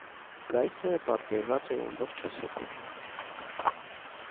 Կայսրը պատկերված էր ամբողջ հասակով։